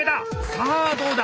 さあどうだ？